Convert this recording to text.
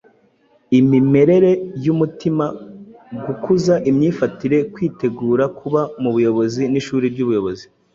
imimerere y’umutima.gukuza imyifatire, kwitegurira kuba mu buyobozi, n’ishuri ry’ubuyobozi.